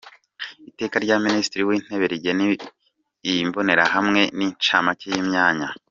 Iteka rya Minisitiri w‟Intebe rigena imbonerahamwe n‟incamake y‟imyanya